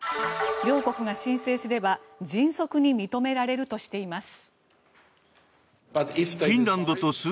両国が申請すれば迅速に認められるとしています。